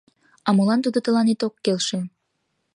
А молан тудо тыланет ок келше?